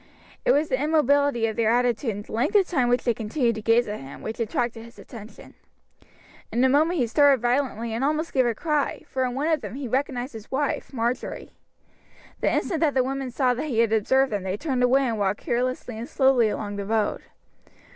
It was the immobility of their attitude and the length of time which they continued to gaze at him, which attracted his attention. In a moment he started violently and almost gave a cry, for in one of them he recognized his wife, Marjory. The instant that the women saw that he had observed them they turned away and walked carelessly and slowly along the road.